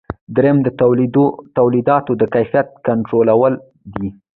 دریم د تولیداتو د کیفیت کنټرولول دي.